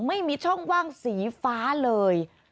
ไม่มีช่องว่างสีฟ้าเลย